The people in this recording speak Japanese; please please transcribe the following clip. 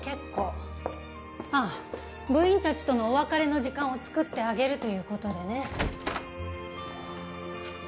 ああ部員たちとのお別れの時間を作ってあげるという事でね。